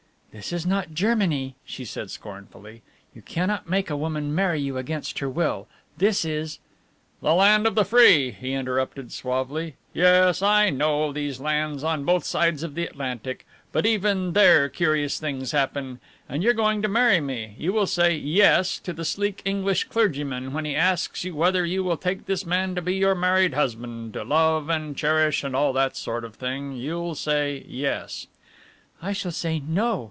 "This is not Germany," she said scornfully. "You cannot make a woman marry you against her will, this is " "The land of the free," he interrupted suavely. "Yes I know those lands, on both sides of the Atlantic. But even there curious things happen. And you're going to marry me you will say 'Yes' to the sleek English clergyman when he asks you whether you will take this man to be your married husband, to love and cherish and all that sort of thing, you'll say 'Yes.'" "I shall say 'No!'"